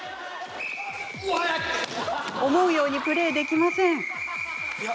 思うようにプレーできません。